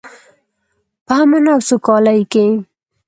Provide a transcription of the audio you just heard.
په امن او سوکالۍ کې.